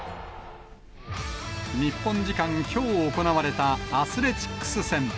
日本時間きょう行われたアスレチックス戦。